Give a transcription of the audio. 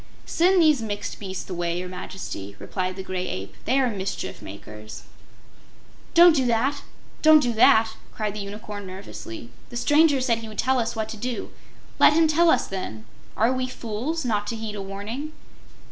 "Send these mixed beasts away, Your Majesty," replied the Gray Ape. "They are mischief makers." "Don't do that don't do that!" cried the Unicorn, nervously. "The stranger said he would tell us what to do. Let him tell us, then. Are we fools, not to heed a warning?"